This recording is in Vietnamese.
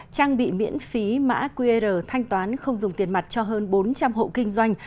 trang bị miễn phí mã qr thanh toán không dùng tiền mặt cho hơn bốn trăm linh hộ kinh doanh